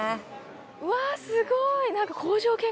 うわすごい！